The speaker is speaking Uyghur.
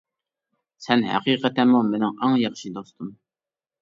سەن ھەقىقەتەنمۇ مېنىڭ ئەڭ ياخشى دوستۇم.